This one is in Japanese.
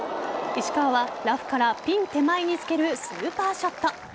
石川はラフからピン手前につけるスーパーショット。